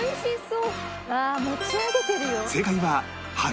うわ持ち上げてるよ。